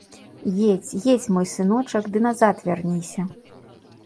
Едзь, едзь, мой сыночак, ды назад вярніся.